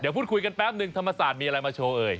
พูดคุยกันแป๊บหนึ่งธรรมศาสตร์มีอะไรมาโชว์เอ่